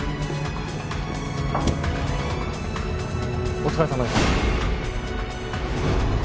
お疲れさまです。